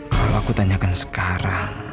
kalau aku tanyakan sekarang